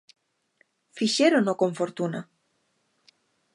Fixérono con fortuna.